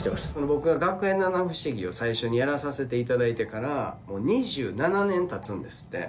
僕が『学園七不思議』を最初にやらさせていただいてからもう２７年たつんですって。